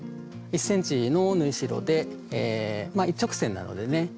１ｃｍの縫い代でまあ一直線なのでね